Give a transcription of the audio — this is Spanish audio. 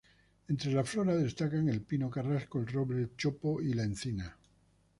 Entre la flora destacan el pino carrasco, el roble, el chopo y la encina.